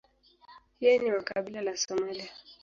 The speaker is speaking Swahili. Yeye ni wa kabila la Somalia.